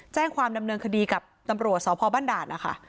แจ้งความดำเนินคดีกับตำรวจสพบ้านด่านนะคะ